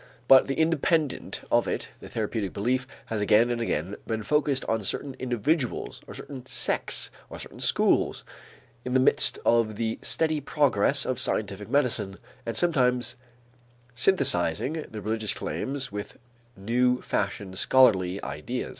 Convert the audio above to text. But independent of it the therapeutic belief has again and again been focused on certain individuals or certain sects or certain schools, in the midst of the steady progress of scientific medicine and sometimes synthesizing the religious claims with new fashioned scholarly ideas.